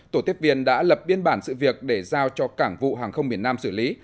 tổ tiếp viên đã lập biên bản sự việc để giao cho cảng vụ hàng không biển nam xử lý